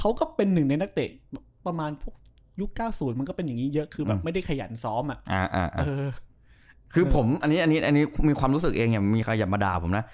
อันนี้มีความรู้สึกเองอย่ามีใครอย่ามดาวผมนะ